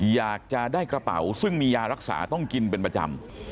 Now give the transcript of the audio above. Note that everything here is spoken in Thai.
อยากจะได้กระเป๋าซึ่งมียารักษาต้องกินเป็นประจำ